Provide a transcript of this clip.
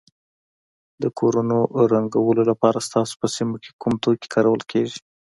د کورونو رنګولو لپاره ستاسو په سیمه کې کوم توکي کارول کیږي.